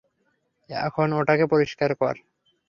এখন ওটাকে পরিষ্কার কর!